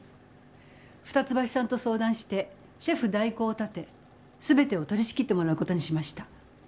二ツ橋さんと相談してシェフ代行を立て全てを取りしきってもらうことにしました。